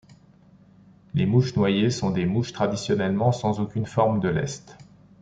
Les mouches noyées sont des mouches traditionnellement sans aucune forme de lest.